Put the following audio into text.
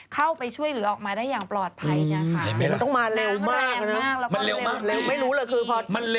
เข้าไปช่วยเหลือออกมาได้อย่างปลอดภัย